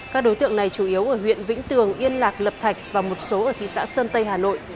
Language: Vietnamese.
các đối tượng này chủ yếu ở huyện vĩnh tường yên lạc lập thạch và một số ở thị xã sơn tây hà nội